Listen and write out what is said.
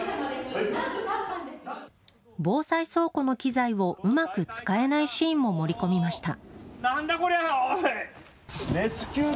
防災倉庫の機材をうまく使えないシーンも盛り込みました。